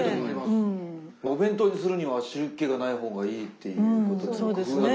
お弁当にするには汁っけがない方がいいっていうことの工夫が。